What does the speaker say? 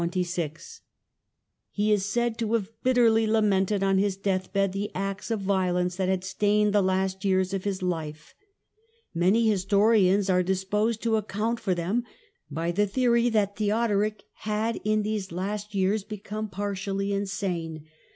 He is said to have bitterly lamented on his death bed the acts of violence that had stained the last years of his life. Many historians are disposed to account for them by the theory that Theodoric had in these last years become partially insane.